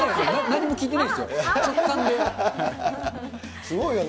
なんも聞いてないですよ。